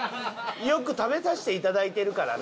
よく食べさせていただいてるからね。